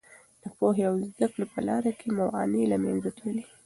د پوهې او زده کړې په لاره کې موانع له منځه تللي.